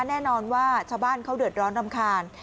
แน่นอนว่าชาวบ้านเขาเดือดร้อนรำคาญ